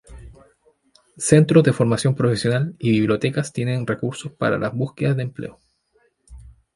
Centros de formación profesional y bibliotecas tienen recursos para las búsquedas de empleo.